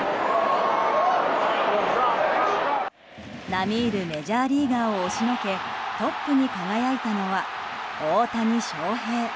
並みいるメジャーリーガーを押しのけトップに輝いたのは大谷翔平。